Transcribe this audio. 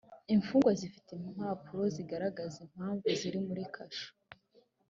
imfungwa zifite impapuro zigaragaza impamvu ziri muri kasho